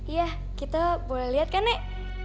iya kita boleh lihat kan nek